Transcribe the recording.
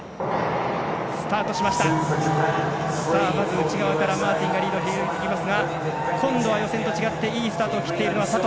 内側からマーティンが迫ってきますが今度は予選と違っていいスタートを切った佐藤。